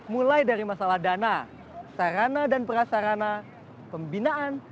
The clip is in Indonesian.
mulai dari masalah dana sarana dan prasarana pembinaan